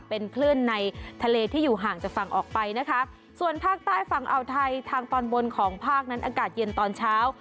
เป็นคลื่นในทะเลที่อยู่ห่างจากฝั่งออกไปนะคะส่วนภาคใต้ฝั่งอ่าวไทยทางตอนบนของภาคนั้นอากาศเย็นตอนเช้า